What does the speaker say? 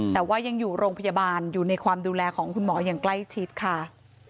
แต่ว่ายังอยู่โรงพยาบาลอยู่ในความดูแลของคุณหมออย่างใกล้ชิดค่ะ